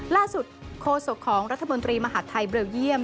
ล่าสุดโคศกของรัฐมนตรีมหาดไทยเบลเยี่ยม